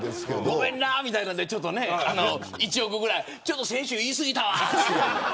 ごめんなみたいな感じで１億ぐらい先週言い過ぎたわって。